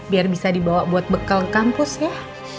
biar bisa dibawa buat bekal kampus ya